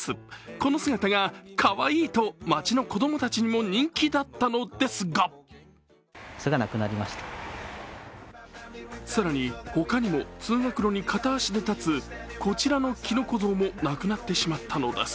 この姿がかわいいと街の子供たちにも人気だったのですが更に他にも通学路に片足で立つこちらのきのこ像もなくなってしまったのです。